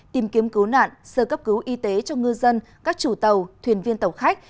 tìm kiếm cứu nạn sơ cấp cứu y tế cho ngư dân các chủ tàu thuyền viên tàu khách